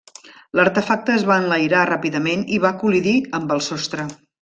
L'artefacte es va enlairar ràpidament i va col·lidir amb el sostre.